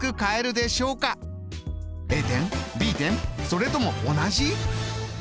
それとも同じ？